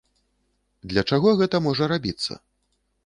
Для чаго гэта можа рабіцца?